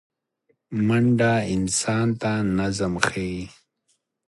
منډه انسان ته نظم ښيي